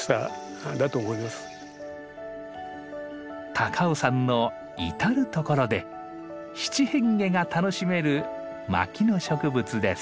高尾山の至る所で七変化が楽しめる牧野植物です。